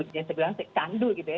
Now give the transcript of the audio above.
dia segera kandul gitu ya